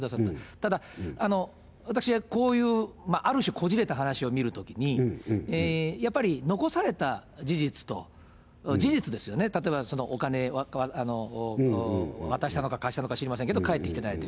ただ、私、こういう、ある種、こじれた話を見るときに、やっぱり残された事実と、事実ですよね、例えばお金渡したのか、貸したのか知りませんけど、返ってきてないと。